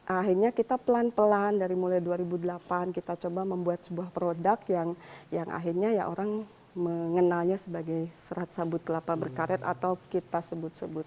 akhirnya kita pelan pelan dari mulai dua ribu delapan kita coba membuat sebuah produk yang akhirnya ya orang mengenalnya sebagai serat sabut kelapa berkaret atau kita sebut sebut